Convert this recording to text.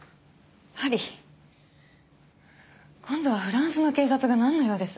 今度はフランスの警察がなんの用です？